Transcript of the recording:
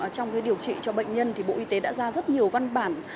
trong điều trị cho bệnh nhân bộ y tế đã ra rất nhiều văn bản